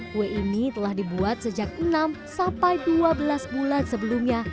kue ini telah dibuat sejak enam sampai dua belas bulan sebelumnya